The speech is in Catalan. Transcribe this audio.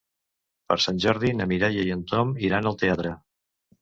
Per Sant Jordi na Mireia i en Tom iran al teatre.